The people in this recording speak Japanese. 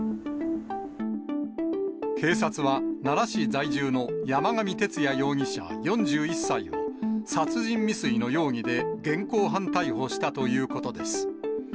警察は、奈良市在住の山上徹也容疑者４１歳を、殺人未遂の容疑で現行犯逮捕したということです。